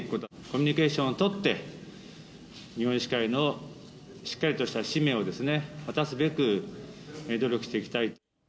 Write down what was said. コミュニケーションを取って、日本医師会のしっかりとした使命を果たすべく、努力していきたい。